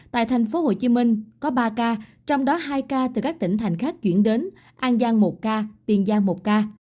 tại thành phố hồ chí minh có ba ca trong đó hai ca từ các tỉnh thành khác chuyển đến an giang một ca tiền giang một ca